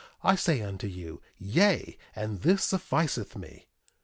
I say unto you, Yea; and this sufficeth me.